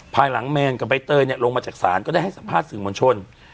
ภายหลังแมนกับใบเตยลงมาจากศาลก็ได้ให้สัมภาษณ์สื่อมวลชน